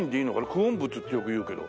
九品仏ってよく言うけど。